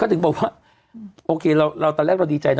ก็จึงบอกว่าโอเคเราตอนแรกดีใจ